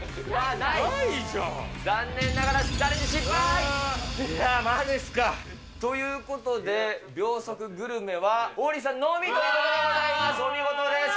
いやー、まじっすか。ということで、秒速グルメは王林さんのみということでございます。